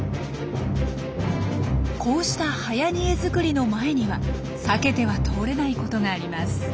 こうしたはやにえ作りの前には避けては通れないことがあります。